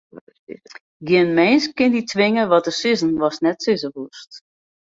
Gjin minske kin dy twinge wat te sizzen watst net sizze wolst.